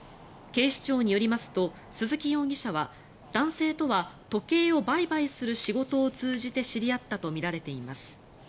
警視庁によりますと鈴木容疑者は男性とは時計を売買する仕事を通じて知り合ったとみられています。